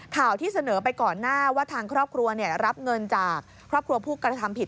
ข่าวที่เสนอไปก่อนหน้าว่าทางครอบครัวรับเงินจากครอบครัวผู้กระทำผิด